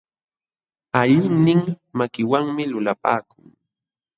Alliqnin makinwanmi lulapakun.